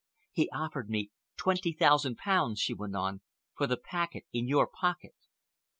"He offered me twenty thousand pounds," she went on, "for the packet in your pocket.